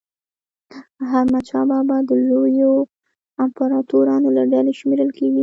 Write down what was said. حمدشاه بابا د لویو امپراطورانو له ډلي شمېرل کېږي.